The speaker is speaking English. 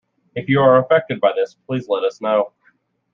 If you are affected by this, please let us know.